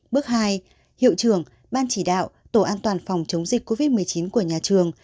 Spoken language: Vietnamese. bước hai hiệu trưởng ban chỉ đạo tổ an toàn phòng chống dịch covid một mươi chín của nhà trường